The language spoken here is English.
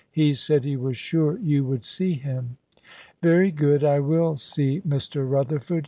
He said he was sure you would see him." "Very good, I will see Mr. Rutherford.